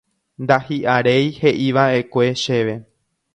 Ndahi'aréi he'iva'ekue chéve.